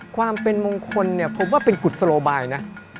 ความเป็นมงคลเนี่ยพบว่าเป็นกุศโลบายนะ